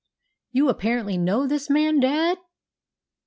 "You apparently know this man, dad?"